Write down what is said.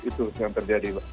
itu yang terjadi